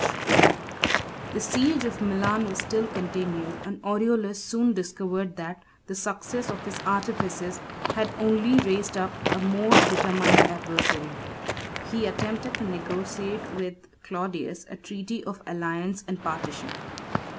] The siege of Milan was still continued, and Aureolus soon discovered that the success of his artifices had only raised up a more determined adversary. He attempted to negotiate with Claudius a treaty of alliance and partition.